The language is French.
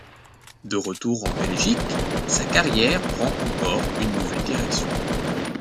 De retour en Belgique, sa carrière prend encore une nouvelle direction.